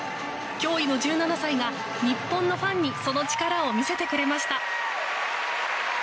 驚異の１７歳が日本のファンにその力を見せてくれました。